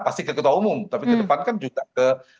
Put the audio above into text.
pasti ke ketua umum tapi ke depan kan juga ke